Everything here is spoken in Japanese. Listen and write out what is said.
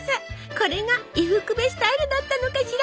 これが伊福部スタイルだったのかしら。